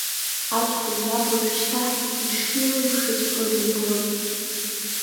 Аҷкәын иаб уажәшьҭа ишилымшаҵәҟьоз ибон.